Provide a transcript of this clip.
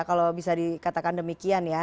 kalau bisa dikatakan demikian ya